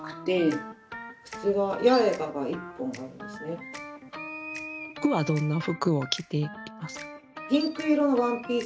じゃあ例えば服はどんな服を着ていますか？